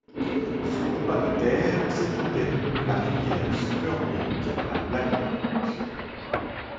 Son lopin de terre, s'étendait de la rivière Spurwink à Black Point.